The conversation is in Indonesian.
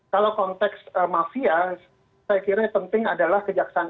kalau konteks mafia saya kira yang penting adalah kejaksaan